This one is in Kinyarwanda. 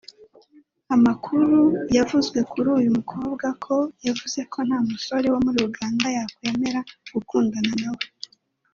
Amakuru yavuzwe kuri uyu mukobwa ko yavuze ko nta musore wo muri Uganda yakwemera gukundana na we